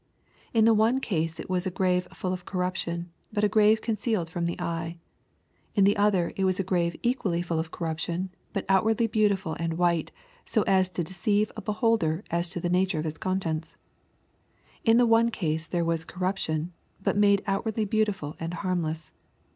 — In the one case it was a grave full of corruption, but a grave concealed from the eye. In the other it was a grave equally full of corruption, but outwardly beautiful and white, so as to deceive a beholder as to the nature of its contents. — In the one case there was corrup tion, but made outwardly beautiful and harmless.